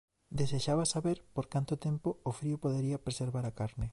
Desexaba saber por canto tempo o frío podería preservar a carne.